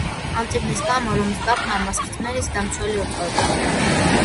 ამ წიგნის გამო რომის პაპმა მას „რწმენის დამცველი“ უწოდა.